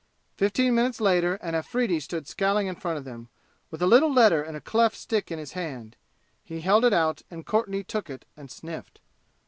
Fifteen minutes later an Afridi stood scowling in front of them with a little letter in a cleft stick in his hand. He held it out and Courtenay took it and sniffed.